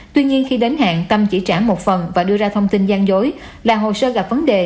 tuy nhiên khi đến hẹn tâm chỉ trả một phần và đưa ra thông tin gian dối là hồ sơ gặp vấn đề